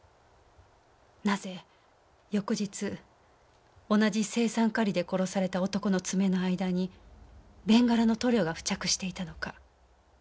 なぜ翌日同じ青酸カリで殺された男のつめの間にベンガラの塗料が付着していたのか。